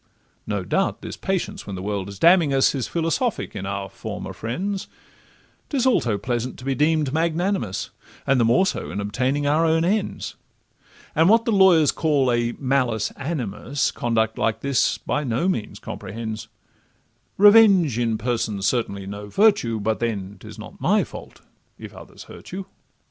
No doubt this patience, when the world is damning us, Is philosophic in our former friends; 'Tis also pleasant to be deem'd magnanimous, The more so in obtaining our own ends; And what the lawyers call a 'malus animus' Conduct like this by no means comprehends; Revenge in person 's certainly no virtue, But then 'tis not my fault, if others hurt you.